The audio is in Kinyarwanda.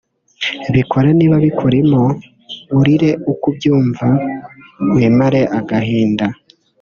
bikore niba bikurimo urire uko ubyumva wimare agahinda